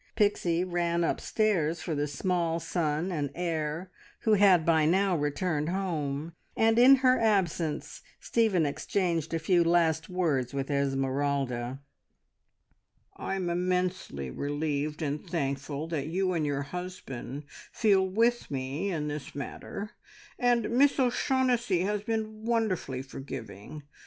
Pixie ran upstairs for the small son and heir, who had by now returned home, and in her absence Stephen exchanged a few last words with Esmeralda. "I am immensely relieved and thankful that you and your husband feel with me in this matter. And Miss O'Shaughnessy has been wonderfully forgiving!